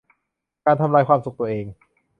การทำลายความสุขตัวเอง